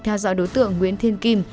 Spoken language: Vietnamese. theo dõi đối tượng nguyễn thiên kim